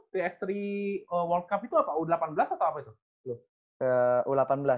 di world cup itu apa u delapan belas atau apa itu